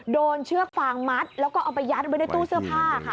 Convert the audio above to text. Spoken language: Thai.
เชือกฟางมัดแล้วก็เอาไปยัดไว้ในตู้เสื้อผ้าค่ะ